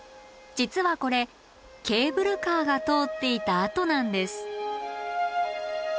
実はこれケーブルカーが通っていた跡なんです。